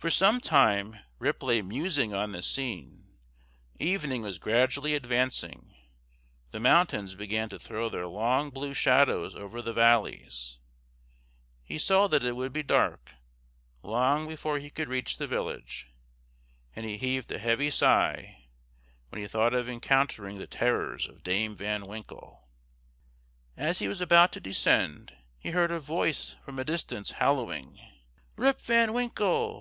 For some time Rip lay musing on this scene; evening was gradually advancing; the mountains began to throw their long blue shadows over the valleys; he saw that it would be dark long before he could reach the village; and he heaved a heavy sigh when he thought of encountering the terrors of Dame Van Winkle. As he was about to descend, he heard a voice from a distance hallooing: "Rip Van Winkle!